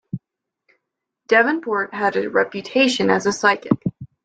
Devenport had a reputation as a psychic.